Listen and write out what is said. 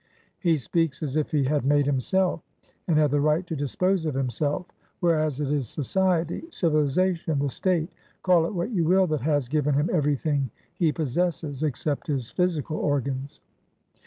He speaks as if he had made himself, and had the right to dispose of himself; whereas it is society, civilisation, the Statecall it what you willthat has given him everything he possesses, except his physical organs.